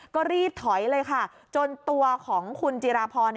ก็รีบถอยเลยค่ะจนตัวของคุณจิราพร